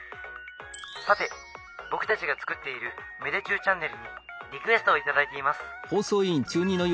さて僕たちが作っている芽出中チャンネルにリクエストを頂いています」。